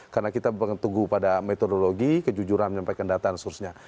karena kita mengetugu pada metodologi kejujuran menyampaikan data dan sebagainya